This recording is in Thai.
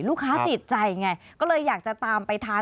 ติดใจไงก็เลยอยากจะตามไปทาน